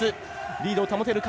リードを保てるか。